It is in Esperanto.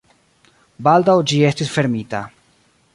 Baldaŭ ĝi estis fermita.